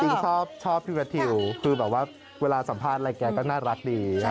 จริงชอบพี่แมททิวคือแบบว่าเวลาสัมภาษณ์อะไรแกก็น่ารักดี